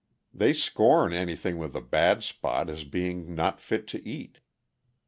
They scorn anything with a bad spot as being not fit to eat.